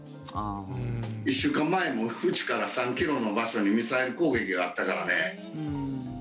１週間前も縁から３ｋｍの場所にミサイル攻撃があったからね。